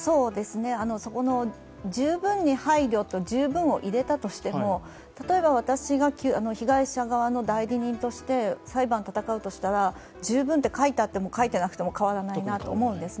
十分に配慮と「十分」を入れたとしても例えば私が被害者側の代理人として裁判を戦うとしたら「十分」って書いてあっても書いてなくても変わらないと思います。